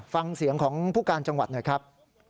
ฟังเสียงของผู้การจังหวัดหน่อยครับ